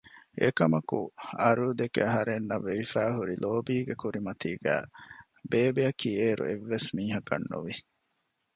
އެކަމަކު އަރޫދެކެ އަހަރެންނަށް ވެވިފައިހުރި ލޯބީގެ ކުރިމަތީގައި ބޭބެއަކީ އޭރު އެއްވެސް މީހަކަށް ނުވި